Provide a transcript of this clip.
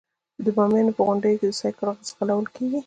د بامیانو په غونډیو کې سایکل ځغلول کیږي.